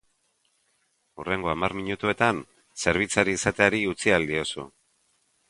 Hurrengo hamar minutuetan, zerbitzari izateari utzi ahal diozu.